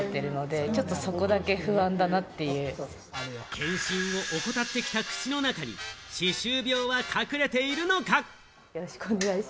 検診を怠ってきた口の中に、歯周病は隠れているのか？